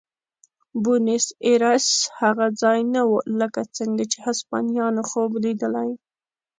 بونیس ایرس هغه ځای نه و لکه څنګه چې هسپانویانو خوب لیدلی.